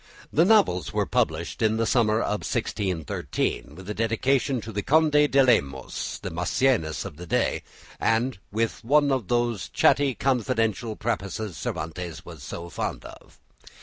The novels were published in the summer of 1613, with a dedication to the Conde de Lemos, the Maecenas of the day, and with one of those chatty confidential prefaces Cervantes was so fond of.